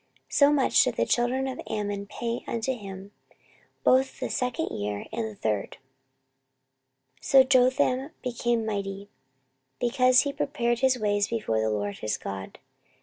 So much did the children of Ammon pay unto him, both the second year, and the third. 14:027:006 So Jotham became mighty, because he prepared his ways before the LORD his God.